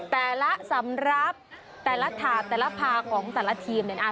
แต่ละสำหรับแต่ละถาดแต่ละพาของแต่ละทีมเนี่ยนะ